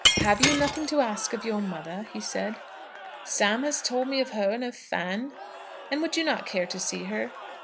"Have you nothing to ask of your mother?" he said. "Sam has told me of her and of Fan." "And would you not care to see her?"